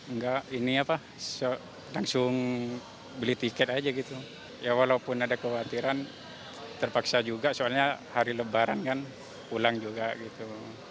enggak ini apa langsung beli tiket aja gitu ya walaupun ada kekhawatiran terpaksa juga soalnya hari lebaran kan pulang juga gitu